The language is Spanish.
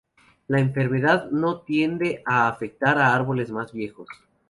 La enfermedad no tiende a afectar a árboles más viejos.